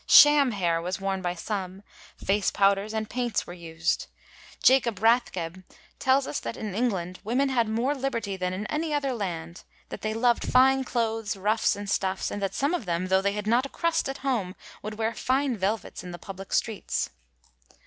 Sham hair was worn by some, face powders and paints were used. Jacob Bathgeb tells us that in England women had more liberty than in any other land, that they lovd fine clothes, ruffs and stuffs, and that some of them, tho' they had not a crust at home, would wear fine velvets in the public streets.